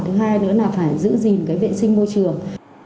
thứ hai nữa là phải giữ gìn cái vệ sinh môi trường